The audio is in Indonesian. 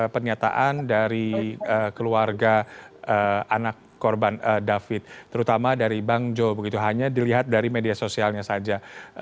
pernyataan dari keluarga anak korban david terutama dari bang jo begitu hanya dilihat dari media sosialnya saja